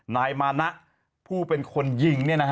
นายมานะผู้เป็นคนยิง